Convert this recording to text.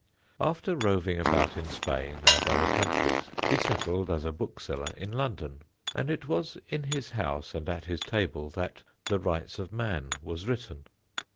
After roving about in Spain and other countries he settled as a bookseller in London, and it was in his house and at his table that The Rights of Man was written.